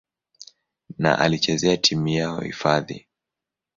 na alichezea timu yao hifadhi.